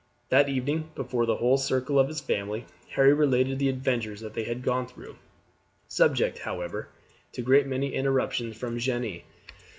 That evening, before the whole circle of his family, Harry related the adventures that they had gone through, subject, however, to a great many interruptions from Jeanne.